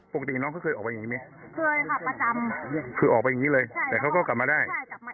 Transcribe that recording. ปกติน้องเคยออกไปอย่างงี้ไหมคือออกไปอย่างงี้เลยแต่เขาก็กลับมาได้